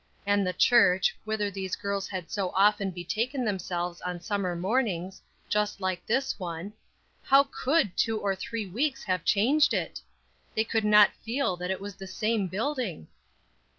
And the church, whither these girls had so often betaken themselves on summer mornings, just like this one how could two or three weeks have changed it? They could not feel that it was the same building.